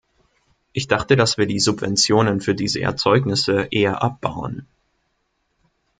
Ich dachte, dass wir die Subventionen für diese Erzeugnisse eher abbauen.